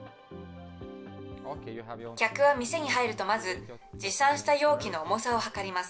客は店に入ると、まず持参した容器の重さを量ります。